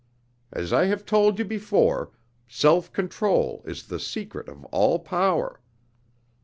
As I have told you before, self control is the secret of all power.